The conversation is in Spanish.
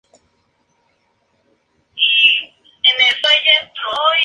La esporada es blanca.